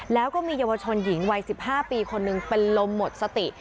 แล้วก็มีเยาวชนหญิงวัย๑๕ปีคนหนึ่งเป็นลมหมดสติ